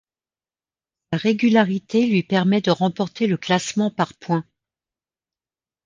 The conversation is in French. Sa régularité lui permet de remporter le classement par points.